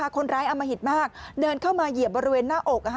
อมหิตมากเดินเข้ามาเหยียบบริเวณหน้าอก